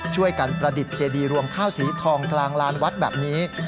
ประดิษฐ์เจดีรวมข้าวสีทองกลางลานวัดแบบนี้